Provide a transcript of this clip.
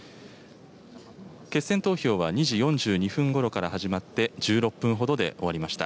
決選投票は２時４２分ごろから始まって１６分ほどで終わりました。